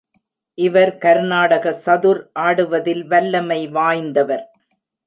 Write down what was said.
இவர் கர்நாடக சதுர் ஆடுவதில் வல்லமை வாய்ந்தவர்.